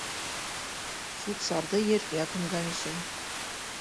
Сүп-сарҙы ергә күмгән өсөн...